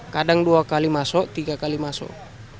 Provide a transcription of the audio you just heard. kadang dua kali masuk tiga kali masuk